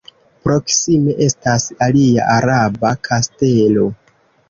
Proksime estas alia araba kastelo.